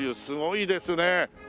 すごいですね。